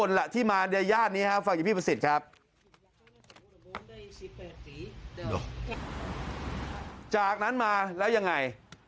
จากนั้นมาแล้วยังไง